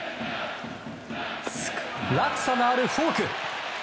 落差のあるフォーク。